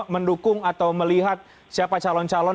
mendukung atau melihat siapa calon calon